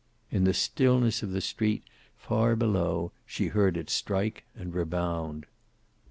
In the stillness of the street far below she heard it strike and rebound.